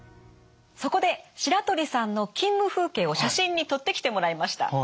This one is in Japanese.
そこで白鳥さんの勤務風景を写真に撮ってきてもらいました。